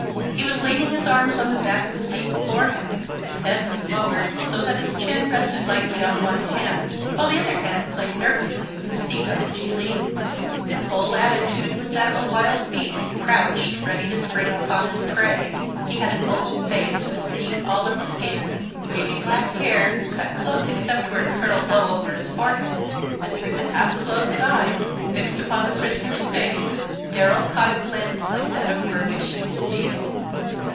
He was leaning his arms on the back of the seat before him; his head was lowered so that his chin rested lightly on one hand, while the other hand played nervously with the seat on which he leaned. His whole attitude was that of a wild beast crouched, ready to spring upon his prey. He had an oval face, with deep olive skin, wavy black hair, cut close except where it curled low over his forehead, and through the half closed eyes, fixed upon the prisoner's face, Darrell caught a glint like that of burnished steel.